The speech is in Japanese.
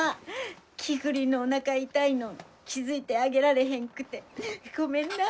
キクリンのおなか痛いのん気付いてあげられへんくってごめんな。